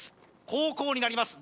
後攻になります